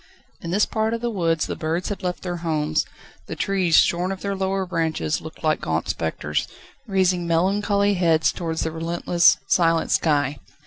In this part of the woods the birds had left their homes; the trees, shorn of their lower branches looked like gaunt spectres, raising melancholy heads towards the relentless, silent sky.